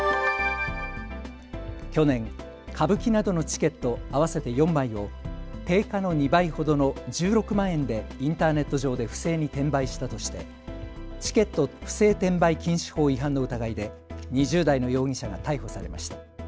去年、歌舞伎などのチケット合わせて４枚を定価の２倍ほどの１６万円でインターネット上で不正に転売したとしてチケット不正転売禁止法違反の疑いで２０代の容疑者が逮捕されました。